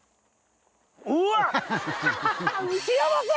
うわっ！